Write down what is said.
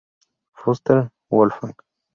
Förster, Wolfgang.